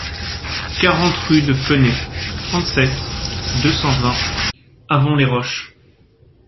quarante rue de Feunet, trente-sept, deux cent vingt, Avon-les-Roches